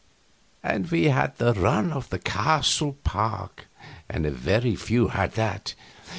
And we had the run of the castle park, and very few had that.